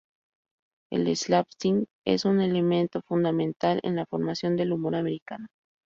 El slapstick es un elemento fundamental en la formación del humor americano.